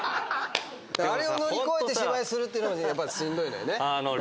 あれを乗り越えて芝居するっていうのがしんどいのよね。